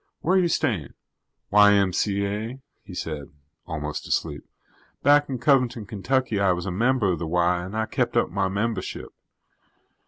Where you staying?" "Y.M.C.A.," he said, almost asleep. "Back in Covington, Kentucky, I was a member of the Y and I kept up my membership.